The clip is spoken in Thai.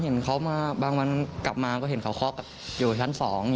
เห็นเขามาบางวันกลับมาก็เห็นเขาคออยู่ชั้นสองอย่าง